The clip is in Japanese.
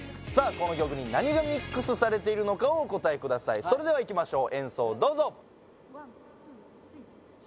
この曲に何がミックスされているのかをお答えくださいそれではいきましょう